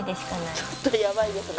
ちょっとやばいですね